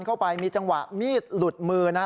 เข้าไปมีจังหวะมีดหลุดมือนะ